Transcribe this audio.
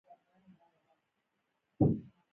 په کور کښې د هغې له لاسه وخت راباندې نه تېرېده.